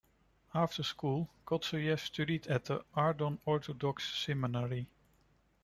After school Kotsoyev studied at the Ardon Orthodox Seminary.